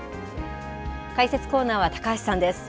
解説コーナーは高橋さんです。